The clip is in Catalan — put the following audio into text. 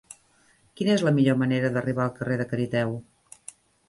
Quina és la millor manera d'arribar al carrer de Cariteo?